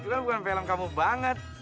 itu kan bukan film kamu banget